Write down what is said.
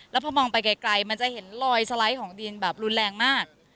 แล้วพอมองไปไกลมันจะเห็นลอยสไลด์ของดินแบบรุนแรงมาก